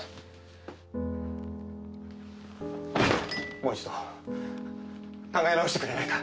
もう一度考え直してくれないか？